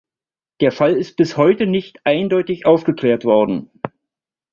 Der Fall ist bis heute nicht eindeutig aufgeklärt worden.